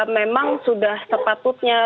memang sudah sepatutnya